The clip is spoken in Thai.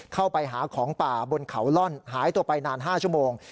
เข้าไปหาของป่าบนเขาล่อนหายตัวไปนาน๕ชั่วโมง